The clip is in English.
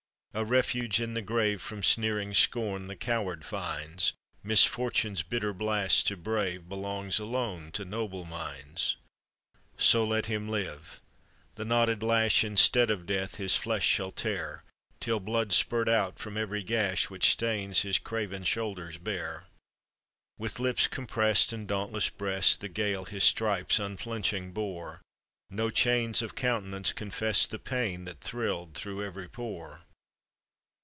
a refuge in the grave From sneering scorn the coward finds; Misfortune's bitter blast to brave Belongs alone to noble minds. " So let him live; the knotted lash Instead of death— his flesh shall tear Till blood spurt out from every ga*h. Which stains his craven shoulders bare." 414 APPENDIX. With lips compressed and dauntless breast The Gael his stripes unflinching bore, No change of countenance confess'd The pain that thrill'd through every pore.